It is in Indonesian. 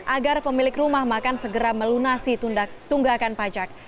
agar pemilik rumah makan segera melunasi tunggakan pajak